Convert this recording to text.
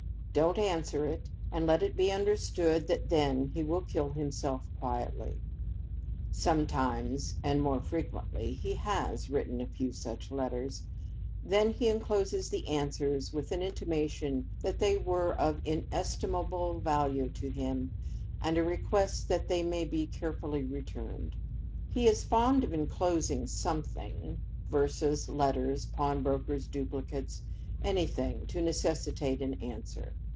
Don't answer it, and let it be understood that, then, he will kill himself quietly. Sometimes (and more frequently) he has written a few such letters. Then he encloses the answers, with an intimation that they are of inestimable value to him, and a request that they may be carefully returned. He is fond of enclosing something—verses, letters, pawnbrokers' duplicates, anything to necessitate an answer.